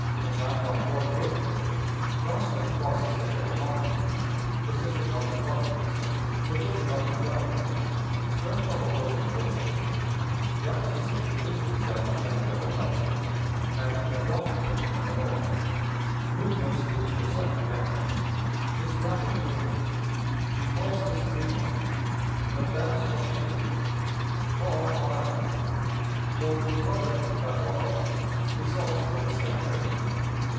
Attack on Fort Drury. Johnston crosses the Chickahominy. Position of McClellan. Position of McDowell. Strength of Opposing Forces. Jackson's Expedition down the Shenandoah Valley. Panic at Washington and the North. Movements to intercept Jackson. His Rapid Movements. Repulses Fremont. Advance of Shields. Fall of Ashby. Port Republic, Battle of. Results of this Campaign.